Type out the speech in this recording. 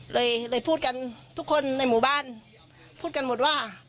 เลยเลยพูดกันทุกคนในหมู่บ้านพูดกันหมดว่า